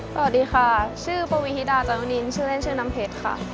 สวัสดีค่ะชื่อปวีฮิดาจารุนินชื่อเล่นชื่อน้ำเพชรค่ะ